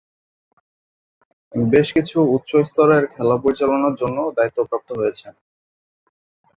বেশ কিছু উচ্চ স্তরের খেলা পরিচালনার জন্য দায়িত্বপ্রাপ্ত হয়েছেন।